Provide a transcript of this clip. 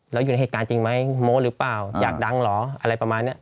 แล้วอยู่ในเหตุการณ์จริงไหมโม้หรือเปล่าอยากดังเหรออะไรประมาณนี้